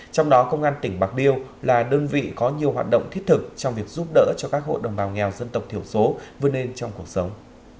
trong đó công an tỉnh bạc liêu là đơn vị có nhiều hoạt động thiết thực trong việc giúp đỡ cho các hộ đồng bào nghèo dân tộc thiểu số vươn lên trong cuộc sống